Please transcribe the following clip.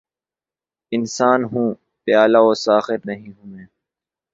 انسان ہوں‘ پیالہ و ساغر نہیں ہوں میں!